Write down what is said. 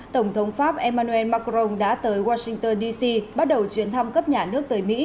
tổng thống pháp emmanuel macron đã tới washington dc bắt đầu chuyến thăm cấp nhà nước tới mỹ